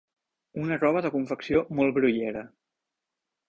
Una roba de confecció molt grollera.